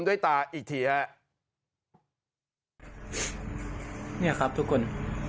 ด้วยตาอีกทีฮะเนี่ยครับทุกคน